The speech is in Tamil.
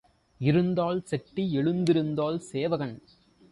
இருந்தால் செட்டி எழுந்திருந்தால் சேவகன்.